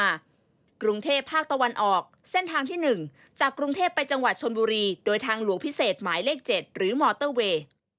กรุงเทพภาคตะวันออกเส้นทางที่๑จากกรุงเทพไปจังหวัดชนบุรีโดยทางหลวงพิเศษหมายเลข๗หรือมอเตอร์เวย์